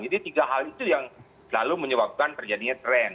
jadi tiga hal itu yang selalu menyebabkan terjadinya tren